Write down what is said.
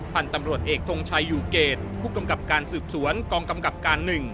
พันธุ์ตำรวจเอกทงชัยอยู่เกตผู้กำกับการสืบสวนกองกำกับการ๑